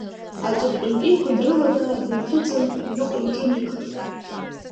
Аҵыхәтәантәиқәа дрыланы, дынҭыҵын, аҩныҟа иҿынеихеит.